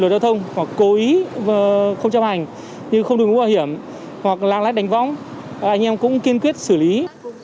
lửa giao thông cố ý không chấp hành không nợ mũ bảo hiểm hoặc làng lát đánh vong anh em cũng kiên quyết xử lý